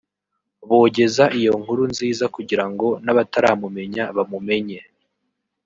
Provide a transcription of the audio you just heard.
bogeza iyo nkuru nziza kugira ngo n’abataramumenya bamumenye